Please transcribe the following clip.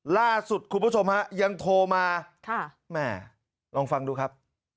ล่าสุดคุณผู้ชมฮะยังโทรมาแม่ลองฟังดูครับ